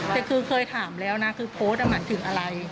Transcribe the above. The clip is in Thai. แต่คือเคยถามแล้วนะคือโพสต์หมายถึงอะไร